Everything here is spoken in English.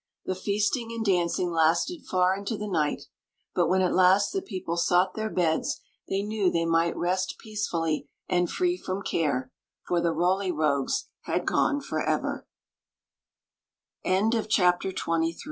The feasting and dancing lasted far into the night ; but when at last the people sought their beds they knew they might rest peacefully and free from care, for the Roly Rogues had gone forever.